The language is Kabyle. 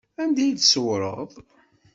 Anda i d-tṣewwreḍ?